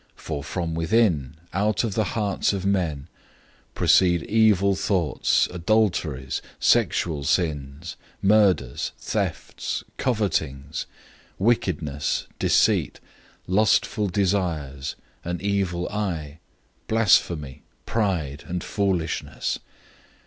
007:021 For from within, out of the hearts of men, proceed evil thoughts, adulteries, sexual sins, murders, thefts, 007:022 covetings, wickedness, deceit, lustful desires, an evil eye, blasphemy, pride, and foolishness.